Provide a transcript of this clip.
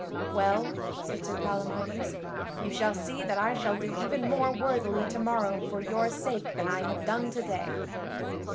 "Well," said Sir Palamydes, "you shall see that I shall do even more worthily to morrow for your sake than I have done to day."